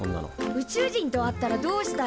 宇宙人と会ったらどうしたい？